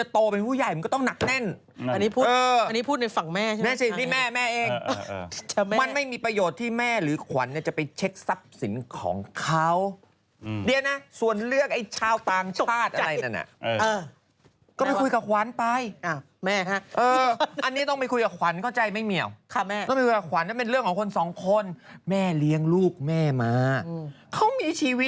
ทำอะไรเข้าไปนุ่นอย่างนี้